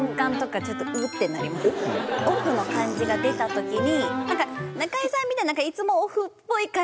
ＯＦＦの感じが出た時に。